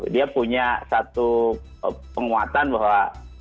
dia punya satu penguatan bahwa